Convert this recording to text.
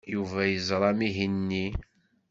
Yuba yeẓra amihi-nni.